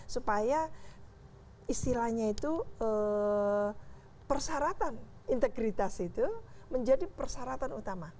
supaya istilahnya itu persyaratan integritas itu menjadi persyaratan utama